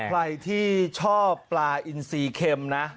ใครที่ชอบปลาอินซีเข็มนะ